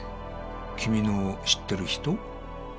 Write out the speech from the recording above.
君の知ってる人？